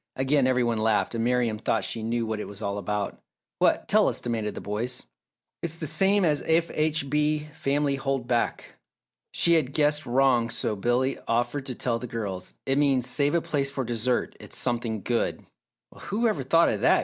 Again every one laughed, and Miriam thought she knew what it was all about. "What tell us?" demanded the boys. "It's the same as F. H. B. Family hold back!" She had guessed wrong so Billy offered to tell the girls. "It means, 'Save a place for dessert it's something good!'" "Well, who ever thought of that!"